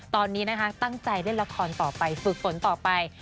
ตอนนี้นะคะตั้งใจเล่นละครต่อไปฝึกฝนต่อไป